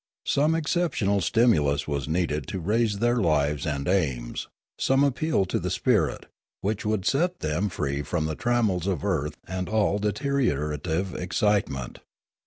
Some excep tional stimulus was needed to raise their lives and 2x9 220 Limanora aims, some appeal to the spirit, which would set them free from the trammels of earth and all deteriorative excitement.